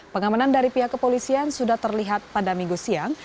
pengamanan dari pihak kepolisian sudah terlihat pada minggu siang